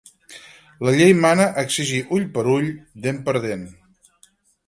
La llei mana exigir ull per ull, dent per dent.